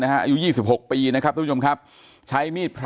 อายุ๒๖ปีนะครับตุ้มุคคลุม